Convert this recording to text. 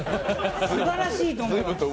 すばらしいと思います。